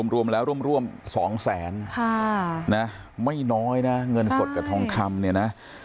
รวมแล้วร่วม๒แสนไม่น้อยนะเงินสดกับทองคำเนี่ยนะ